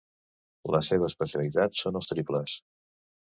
La seva especialitat són els triples.